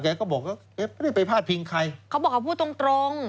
ก็บอกว่าแกไม่ได้ไปพาดพิงใครเขาบอกเขาพูดตรงตรง